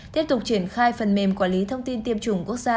tiếp tục triển khai phần mềm quản lý thông tin tiêm chủng quốc gia